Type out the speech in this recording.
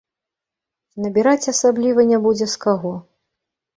Набіраць асабліва не будзе з каго.